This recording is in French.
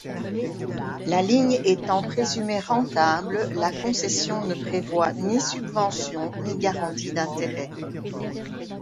La ligne étant présumée rentable, la concession ne prévoit ni subvention, ni garantie d'intérêt.